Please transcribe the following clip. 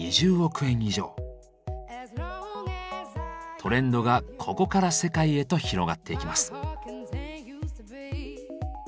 トレンドがここから世界へと広がっていきます。